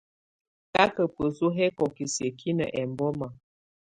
Káká bǝ́su hɛ́kɔ́kɛ́ siǝ́kinǝ́ ɛmbɔ́ma.